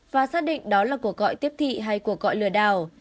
và xác định đó là cuộc gọi tiếp thị hay cuộc gọi lừa đảo